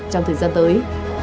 trong thời gian tới